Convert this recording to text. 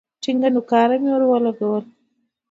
ټينگه نوکاره به مې ورولگوله.